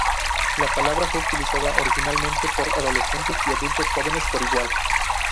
La palabra fue utilizada originalmente por adolescentes y adultos jóvenes por igual.